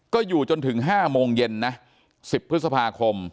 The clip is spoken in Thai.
ก็อยู่จนถึง๕โมงเย็นนะ๑๐พฤษภาคม